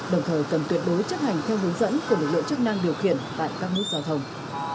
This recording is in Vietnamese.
đồng thời cần tuyệt đối chấp hành theo hướng dẫn của lực lượng chức năng điều khiển tại các nút giao thông